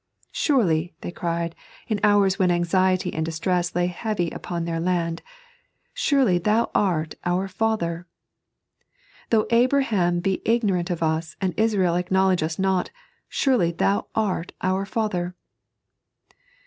" Surely," they cried, in hours when anxiety and distress lay heavy upon their land, "surely Thou ait our Father, " Thou^ Abraham be ignorant of us, and Israel acknowledge us not, surely Thou art our Father."